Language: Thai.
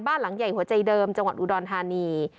หลังใหญ่หัวใจเดิมจังหวัดอุดรธานี